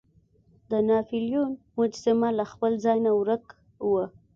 د ناپلیون مجسمه له خپل ځای نه ورک وه.